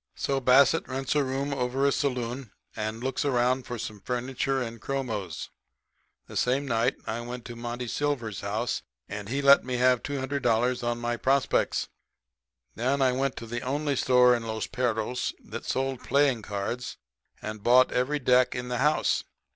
"So, Bassett rents a room over a saloon and looks around for some furniture and chromos. The same night I went to Monty Silver's house, and he let me have $200 on my prospects. Then I went to the only store in Los Perros that sold playing cards and bought every deck in the house.